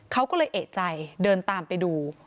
เขาก็เลยเอกใจเดินตามไปดู